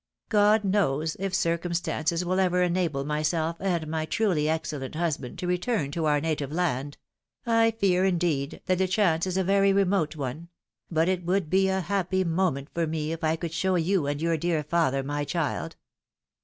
God knows if circumstances will ever enable myself and my truly excellent husband to return to our native land ; I fear, indeed, that the chance is a very remote one ; but it would be a happy moment for me if I could show you and your dear father my child